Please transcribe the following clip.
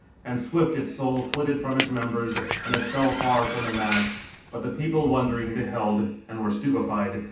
And swift its soul flitted from its members, and it fell far from [the mast]; but the people wondering, beheld, and were stupified.